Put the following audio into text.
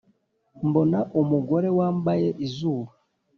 mbona umugore wambaye izuba,